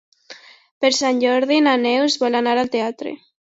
Per Sant Jordi na Neus vol anar al teatre.